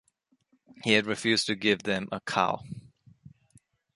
He had refused to give them a cow.